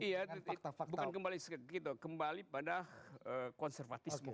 iya bukan kembali ke kitok kembali pada konservatisme